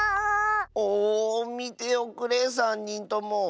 おおみておくれさんにんとも。